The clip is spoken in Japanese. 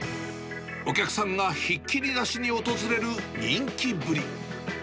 お客さんがひっきりなしに訪れる人気ぶり。